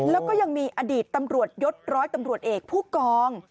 แล้วก็ยังมีอดีตตำรวจยศร้อยตำรวจเอกผู้กอง